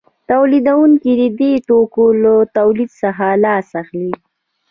تولیدونکي د دې توکو له تولید څخه لاس اخلي